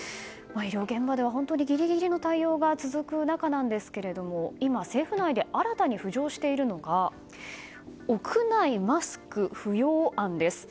医療現場では本当にギリギリの対応が続く中ですが今、政府内で新たに浮上しているのが屋内マスク不要案です。